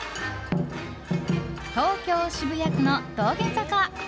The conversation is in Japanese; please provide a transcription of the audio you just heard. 東京・渋谷区の道玄坂。